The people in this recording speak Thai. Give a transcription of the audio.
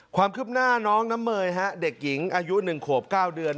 ความคึบหน้าน้องน้ำเมยฮะเด็กหญิงอายุหนึ่งขวบเก้าเดือน